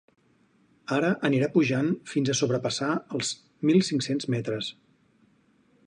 Ara anirà pujant fins a sobrepassar els mil cinc-cents metres.